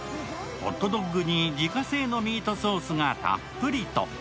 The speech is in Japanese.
ホットドッグに自家製のミートソースがたっぷりと。